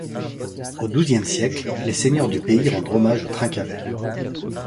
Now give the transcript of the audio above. Au douzième siècle, les seigneurs du pays rendent hommage aux Trencavel.